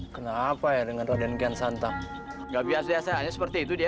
kenapa ya dengan rodengan santap nggak biasa biasanya seperti itu dia